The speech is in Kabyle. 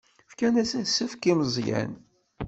Fkan-as asefk i Meẓyan.